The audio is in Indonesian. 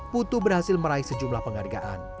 putu berhasil meraih sejumlah penghargaan